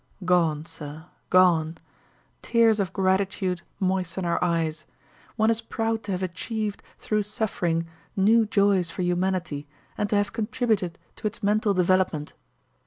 Gone, sir, gone! Tears of gratitude moisten our eyes. One is proud to have achieved, through suffering, new joys for humanity and to have contributed to its mental development.